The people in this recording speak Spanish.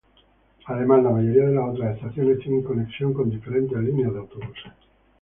Además, la mayoría de las otras estaciones tienen conexión con diferentes líneas de autobuses.